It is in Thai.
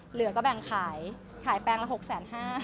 เหลือก็แบ่งขายขายแปลงละ๖๕๐๐บาท